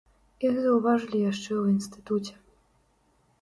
Іх заўважылі яшчэ ў інстытуце.